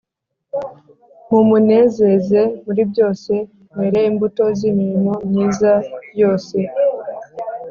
mumunezeze muri byose mwere imbuto z’imirimo myiza yose